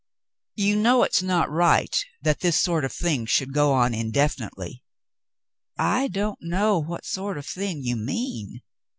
"You know it's not right that this sort of thing should go on indefinitely?'* "I don't know what sort of thing you mean."